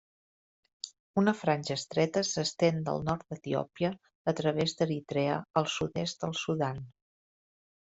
Una franja estreta s'estén del nord d'Etiòpia, a través d'Eritrea, al sud-est del Sudan.